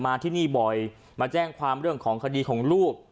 ที่นี่บ่อยมาแจ้งความเรื่องของคดีของลูก